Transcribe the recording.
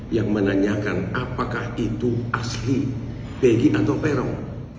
yang menanyakan apakah itu asli begi atau peron